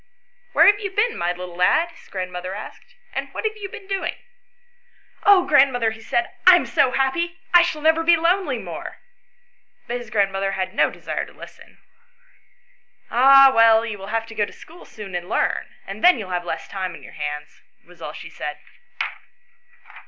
" Where have you been, my little lad ?" his grand mother asked, " and what have you been doing ?"" Oh, grandmother," he said, _" I am so happy. I shall never be lonely more ;" but his grandmother had no desire to listen. " Ah, well, you will have to go to school soon and learn, and then you'll have less time on your hands," was all she said.